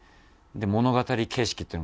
物語形式っていうのが一番